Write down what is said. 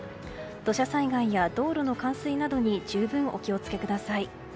土砂災害や道路の冠水などに十分お気を付けください。